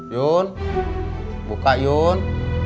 yun buka yun